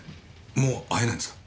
もう会えないんですか？